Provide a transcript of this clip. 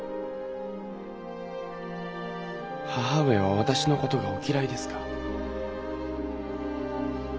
母上は私の事がお嫌いですか？